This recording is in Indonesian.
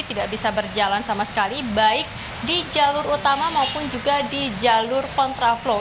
tidak bisa berjalan sama sekali baik di jalur utama maupun juga di jalur kontraflow